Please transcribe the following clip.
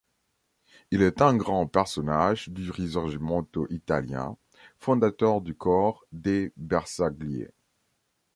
Il est un grand personnage du Risorgimento italien, fondateur du corps des bersagliers.